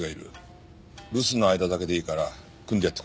留守の間だけでいいから組んでやってくれないか？